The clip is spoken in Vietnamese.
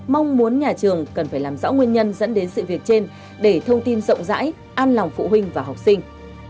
mong muốn nhà trường cần phải làm rõ nguyên nhân dẫn đến sự việc trên để thông tin rộng rãi an lòng phụ huynh và học sinh